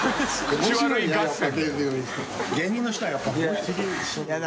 口悪い合戦だよ。